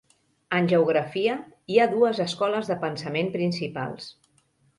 En geografia, hi ha dues escoles de pensament principals.